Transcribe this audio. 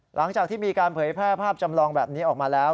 หลังจากที่มีการเผยแพร่ภาพจำลองแบบนี้ออกมาแล้ว